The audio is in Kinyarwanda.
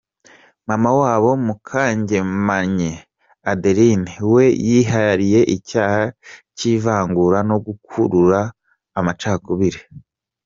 Mama wabo Mukangemanyi Adeline we yihariye icyaha cy’ivangura no gukurura amacakubiri.”